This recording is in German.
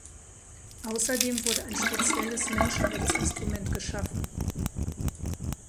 Außerdem wurde ein spezielles Menschenrechtsinstrument geschaffen.